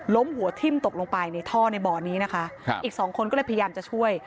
หัวทิ้มตกลงไปในท่อในบ่อนี้นะคะครับอีกสองคนก็เลยพยายามจะช่วย